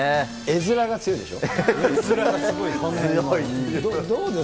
絵面が強いでしょ。